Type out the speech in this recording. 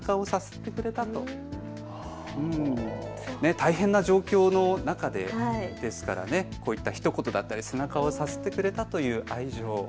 大変な状況の中で、ですからこういったひと言だったり背中をさすってくれたという愛情。